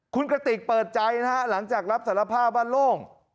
คุณกระติกเปิดใจนะฮะหลังจากรับสารภาพว่าโล่ง